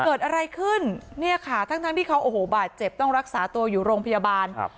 เกิดอะไรขึ้นเนี่ยค่าทั้งมันขอบอบาดเจ็บต้องรักษาตัวอยู่โรงพยาบาล